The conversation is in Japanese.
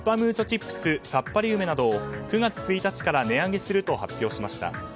チップスさっぱり梅などを９月１日から値上げすると発表しました。